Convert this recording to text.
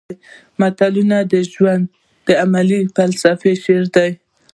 متلونه د ژوند د عملي فلسفې شعر دي